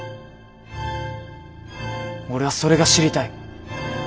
俺はそれが知りたい。